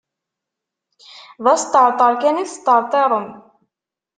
D asṭerṭer kan i tesṭerṭirem.